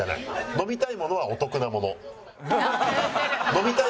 飲みたいものはお得なもの！